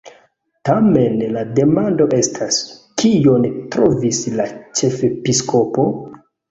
Tamen la demando estas: kion trovis la ĉefepiskopo?”